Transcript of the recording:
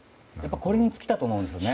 これに尽きたと思うんですね。